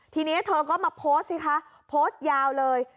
ทีนี้เธอก็มาโพสต์สิคะโพสต์ยาวเลย